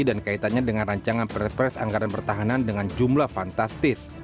dan kaitannya dengan rancangan perpres anggaran pertahanan dengan jumlah fantastis